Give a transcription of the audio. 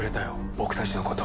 僕たちのこと。